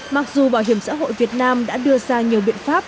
mặc dù bảo hiểm xã hội việt nam đã đưa ra nhiều biện pháp